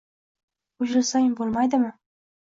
Qo`shilsang bo`lmaydimi